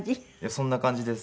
そんな感じです。